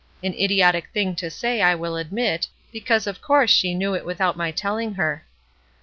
An idiotic thing to say I will admit, because of course she knew it without my telling her.